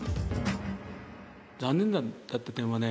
残念だった点はね